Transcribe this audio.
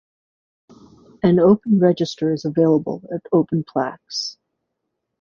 An open register is available at Open Plaques.